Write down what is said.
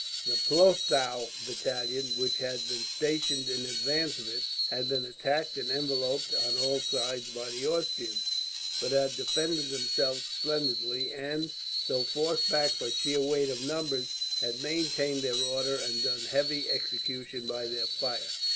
The Plothow battalion, which had been stationed in advance of it, had been attacked and enveloped on all sides by the Austrians; but had defended themselves splendidly and, though forced back by sheer weight of numbers, had maintained their order and done heavy execution by their fire.